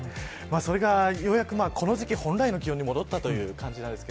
それが、ようやくこの時期本来の気温に戻ったという感じです。